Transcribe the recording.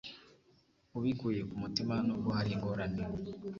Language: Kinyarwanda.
ubikuye ku mutima Nubwo hari ingorane